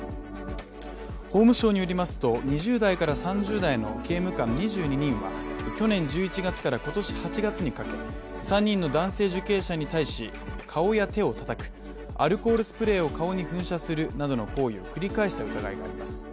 法務省によりますと２０代から３０代の刑務官２２人は去年１１月から今年８月にかけ３人の男性受刑者に対し、顔や手をたたく、アルコールスプレーを顔に噴射するなどの行為を繰り返した疑いがあります。